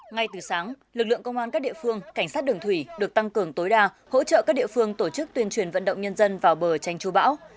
ngay từ sáng lực lượng công an các địa phương cảnh sát đường thủy được tăng cường tối đa hỗ trợ các địa phương tổ chức tuyên truyền vận động nhân dân vào bờ tranh chú bão